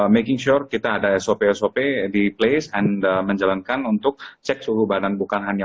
making shore kita ada sop sop di place anda menjalankan untuk cek suhu badan bukan hanya